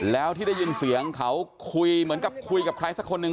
แล้วที่ได้ยินเสียงเขาคุยเหมือนกับคุยกับใครสักคนหนึ่ง